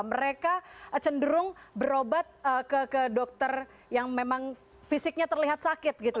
mereka cenderung berobat ke dokter yang memang fisiknya terlihat sakit gitu